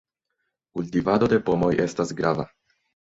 Kultivado de pomoj estas grava.